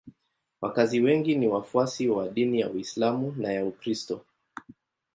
Wakazi wengi ni wafuasi wa dini ya Uislamu na ya Ukristo.